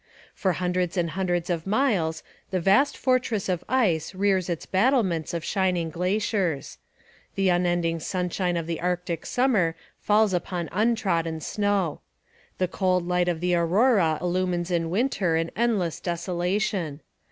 For hundreds and hundreds of miles the vast fortress of ice rears its battlements of shining glaciers. The unending sunshine of the Arctic summer falls upon untrodden snow. The cold light of the aurora illumines in winter an endless desolation.